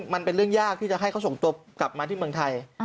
มันเป็นเรื่องยากที่จะให้เขาส่งตัวกลับมาที่เมืองไทย